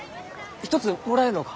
一つもらえんろうか？